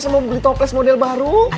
saya mau beli toples model baru